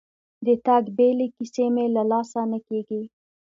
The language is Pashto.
د تګ بیلې کیسې مې له لاسه نه کېږي.